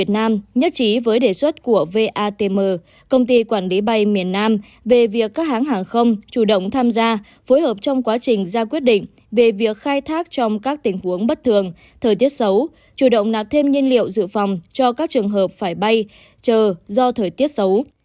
nam công ty quản lý bay miền nam về việc các hãng hàng không chủ động tham gia phối hợp trong quá trình ra quyết định về việc khai thác trong các tình huống bất thường thời tiết xấu chủ động nạp thêm nhiên liệu dự phòng cho các trường hợp phải bay chờ do thời tiết xấu